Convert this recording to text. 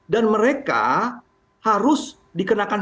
dan mereka harus dikenakan